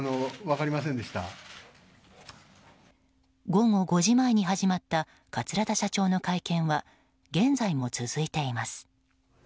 午後５時前に始まった桂田社長の会見は現在も続いています。